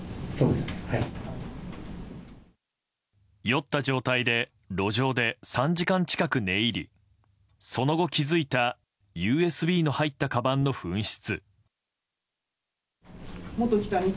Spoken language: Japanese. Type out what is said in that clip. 酔った状態で路上で３時間近く寝入りその後、気づいたＵＳＢの入ったかばんの紛失。